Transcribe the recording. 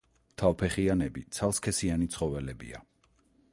თავფეხიანები ცალსქესიანი ცხოველებია.